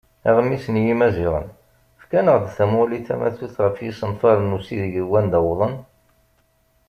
Aɣmis n Yimaziɣen: Efk-aneɣ-d tamuɣli tamatut ɣef yisenfaren n usideg d wanda wwḍen?